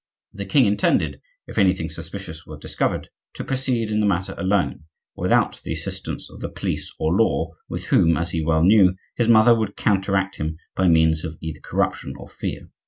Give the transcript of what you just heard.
The king intended, if anything suspicious were discovered, to proceed in the matter alone, without the assistance of the police or law, with whom, as he well knew, his mother would counteract him by means of either corruption or fear.